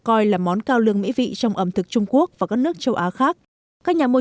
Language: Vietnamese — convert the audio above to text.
sử dụng làm món cao lương mỹ vị trong ẩm thực trung quốc và các nước châu á khác các nhà môi